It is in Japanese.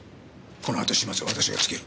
この後始末は私が付ける。